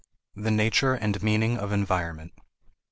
The Nature and Meaning of Environment.